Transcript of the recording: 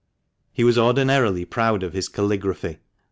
He was ordinarily proud of his calligraphy.